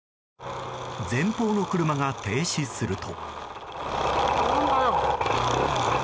前方の車が停止すると。